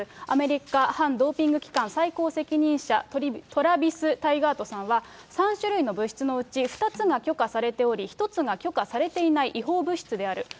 アメリカ反ドーピング機関最高責任者、トラビス・タイガートさんは、３種類の物質のうち２つが許可されており、１つが許可されていない違法物質である。